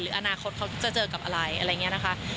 อนาคตเขาจะเจอกับอะไรอะไรอย่างนี้นะคะ